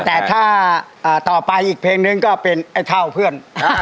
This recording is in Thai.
แต่ถ้าต่อไปอีกเพลงนึงก็เป็นไอ้เท่าเพื่อน